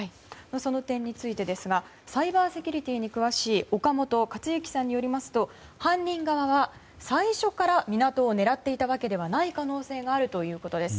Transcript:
その点についてですがサイバーセキュリティーに詳しい岡本勝之さんによりますと犯人側は最初から港を狙っていたわけではない可能性があるということです。